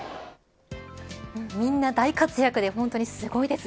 みんな大活躍で本当にすごいですね。